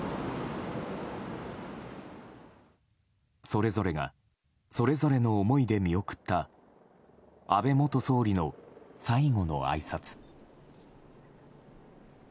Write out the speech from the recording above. それぞれがそれぞれの思いで見送った安倍元総理の最後のあいさつ。